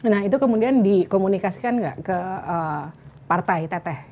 nah itu kemudian dikomunikasikan nggak ke partai teteh